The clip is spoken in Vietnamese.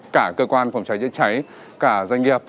cả cơ quan phòng cháy chữa cháy cả doanh nghiệp